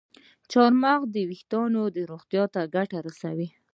چارمغز د ویښتانو روغتیا ته ګټه رسوي.